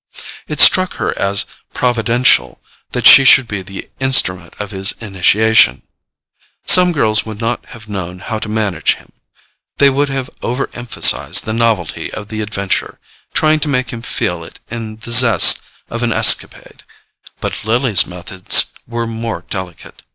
It struck her as providential that she should be the instrument of his initiation. Some girls would not have known how to manage him. They would have over emphasized the novelty of the adventure, trying to make him feel in it the zest of an escapade. But Lily's methods were more delicate.